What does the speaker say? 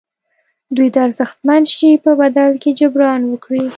دوی د ارزښتمن شي په بدل کې جبران وکړي.